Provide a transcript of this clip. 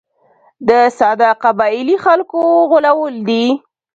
د ساده قبایلي خلکو غولول دي.